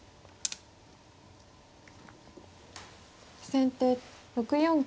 先手６四金。